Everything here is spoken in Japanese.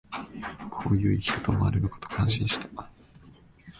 こういう生き方もあるのかと感心した